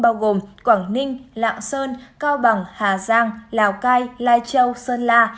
bao gồm quảng ninh lạng sơn cao bằng hà giang lào cai lai châu sơn la